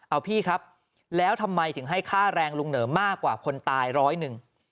เอาพี่ครับแล้วทำไมถึงให้ค่าแรงลุงเหนอมากกว่าคนตายร้อยหนึ่ง